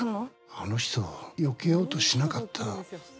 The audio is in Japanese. あの人は避けようとしなかった。